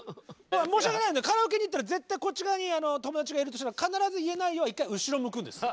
申し訳ないですけどカラオケに行ったら絶対こっち側に友達がいるとしたら必ず「言えないよ」は１回後ろ向くんです。